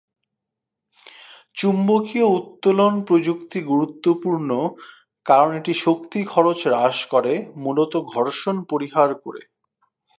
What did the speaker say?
চুম্বকীয় উত্তোলন প্রযুক্তি গুরুত্বপূর্ণ কারণ এটি শক্তি খরচ হ্রাস করে, মূলত ঘর্ষণ পরিহার করে।